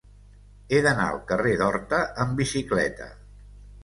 He d'anar al carrer d'Horta amb bicicleta.